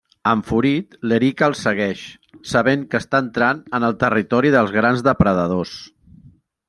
Enfurit, l'Eric els segueix, sabent que està entrant en el territori dels grans depredadors.